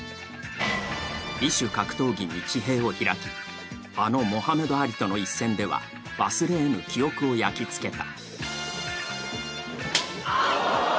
異種格闘技に地平を開き、あのモハメド・アリとの一戦では忘れえぬ記憶を焼きつけた。